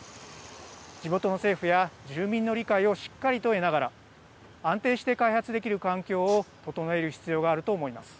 地元の政府や住民の理解をしっかりと得ながら安定して開発できる環境を整える必要があると思います。